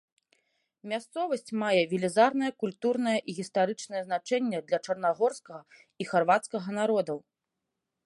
Мясцовасць мае велізарнае культурнае і гістарычнае значэнне для чарнагорскага і харвацкага народаў.